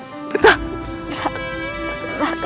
aku sudah berhenti